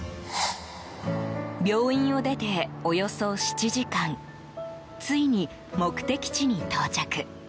病院を出て、およそ７時間ついに目的地に到着。